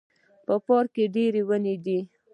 په پارک کې ډیري وني دي